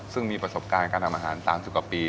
ซึ่งมีประสบการณ์การทำอาหารตาม๑๐กว่าปี